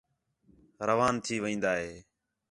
روان تھی وین٘دا ہِے